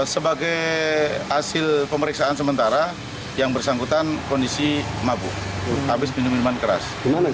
sebagai hasil pemeriksaan sementara yang bersangkutan kondisi mabuk habis minum minuman keras